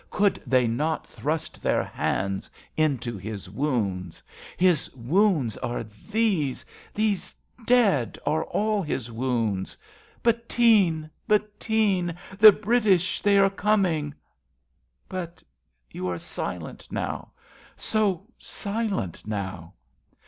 Could they not thrust their hands into His wounds? His wounds are these — these dead are all His wounds. Bettine ! Bettine ! the British, they are coming ! But you are silent now, so silent now